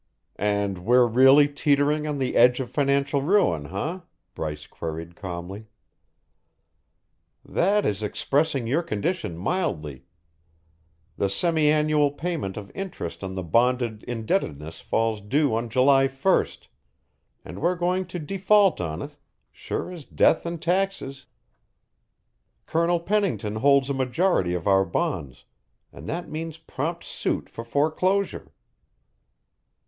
"And we're really teetering on the edge of financial ruin, eh?" Bryce queried calmly. "That is expressing your condition mildly. The semi annual payment of interest on the bonded indebtedness falls due on July first and we're going to default on it, sure as death and taxes. Colonel Pennington holds a majority of our bonds, and that means prompt suit for foreclosure."